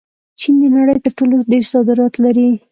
چین د نړۍ تر ټولو ډېر صادرات لري.